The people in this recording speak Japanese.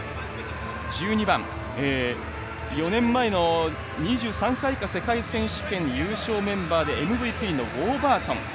１２番、４年前の２３歳以下の世界選手権でＭＶＰのウォーバートン。